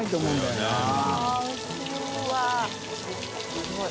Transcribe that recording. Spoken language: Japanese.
すごい。